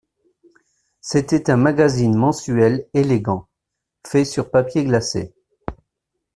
C'était un magazine mensuel élégant, fait sur papier glacé.